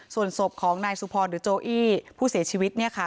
ส่วนศพของนายสุพรหรือโจอี้ผู้เสียชีวิตเนี่ยค่ะ